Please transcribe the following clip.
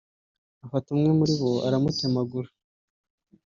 afata umwe muri bo aramutemagura